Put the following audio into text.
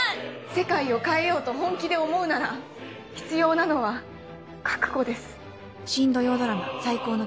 世界を変えようと本気で思うなら必要なのは覚悟です。